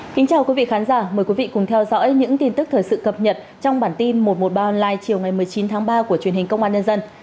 xin chào quý vị khán giả mời quý vị cùng theo dõi những tin tức thời sự cập nhật trong bản tin một trăm một mươi ba online chiều ngày một mươi chín tháng ba của truyền hình công an nhân dân